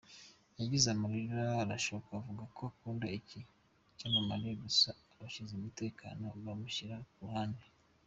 Yarize amarira arashoka avuga ko akunda iki cyamamare gusa abashinzwe umutekano bamushyira ku ruhande.